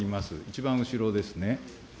一番後ろですね。